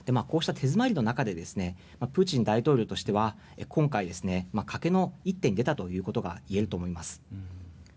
こうした手詰まりの中でプーチン大統領としては今回、賭けの一手に出たということが言えると思います。